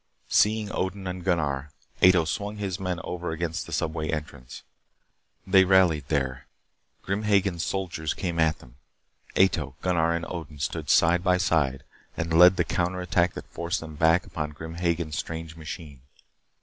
Seeing Odin and Gunnar, Ato swung his men over against the subway entrance. They rallied there. Grim Hagen's soldiers came at them. Ato, Gunnar, and Odin stood side by side and led the counter attack that forced them back upon Grim Hagen's strange machine.